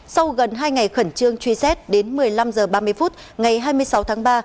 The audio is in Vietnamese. sau gần hai ngày khẩn trương truy xét đến một mươi năm h ba mươi phút ngày hai mươi sáu tháng ba